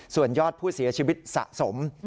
ส่วนยอดผู้เสียชีวิตสะสม